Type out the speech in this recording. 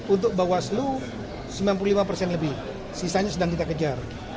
untuk bawa seluruh sembilan puluh lima lebih sisanya sedang kita kejar